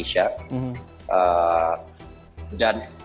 dan selanjutnya ini adalah film yang sangat berkembang